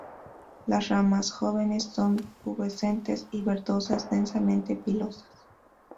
Las ramas jóvenes son pubescentes y verdosas, densamente pilosas.